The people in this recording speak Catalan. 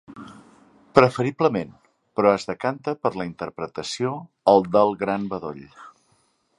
Preferiblement, però es decanta per la interpretació el del gran bedoll.